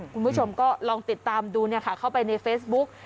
คุณผู้ชมก็ลองติดตามดูเข้าไปในเฟซบุ๊ก